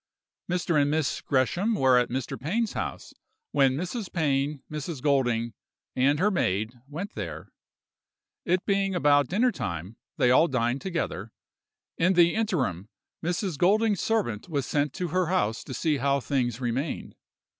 "Mr. and Miss Gresham were at Mr. Pain's house when Mrs. Pain, Mrs. Golding, and her maid, went there. It being about dinner time, they all dined together; in the interim, Mrs. Golding's servant was sent to her house to see how things remained.